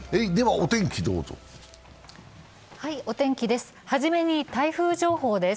お天気です。